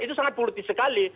itu sangat politis sekali